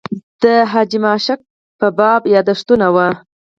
د حاجي ماشک په باب یاداښتونه و.